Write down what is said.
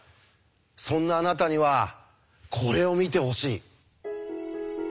そんなあなたにはこれを見てほしい。